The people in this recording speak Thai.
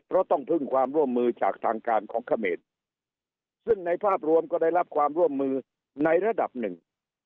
เพราะต้องพึ่งความร่วมมือจากทางการของเขมรซึ่งในภาพรวมก็ได้รับความร่วมมือในระดับหนึ่ง